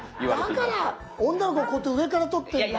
だから女の子こうやって上から撮ってるんだ。